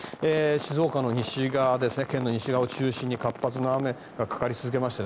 静岡の西側、県の西側を中心に活発な雨がかかり続けまして